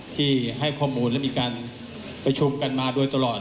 ที่ให้ข้อมูลและมีการประชุมกันมาโดยตลอด